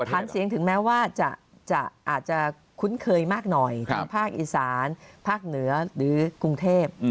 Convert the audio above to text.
ฐานเสียงถึงแม้ว่าอาจจะคุ้นเคยมากหน่อยทั้งภาคอีสานภาคเหนือหรือกรุงเทพ